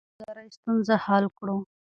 موږ باید د بیکارۍ ستونزه حل کړو.